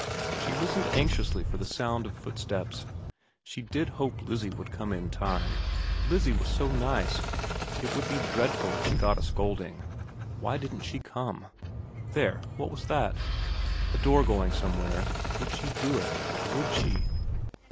She listened anxiously for the sound of footsteps. She did hope Lizzie would come in time. Lizzie was so nice, it would be dreadful if she got a scolding. Why didn't VERA 253 she come ? There what was that ? A door going somewhere. Would she do it ? Would she